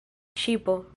ŝipo